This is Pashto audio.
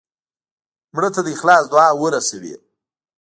مړه ته د اخلاص دعا ورسوې